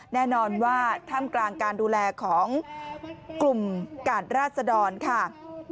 แน่นอนว่าท่ามกลางการดูแลของกลุ่มกาดราศดรค่ะ